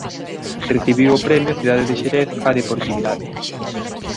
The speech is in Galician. Recibiu o premio "Cidade de Xerez á deportividade".